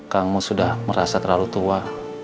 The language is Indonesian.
kamu sudah merasa terlalu tua